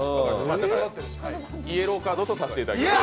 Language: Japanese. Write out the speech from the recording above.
イエローカードとさせていただきます、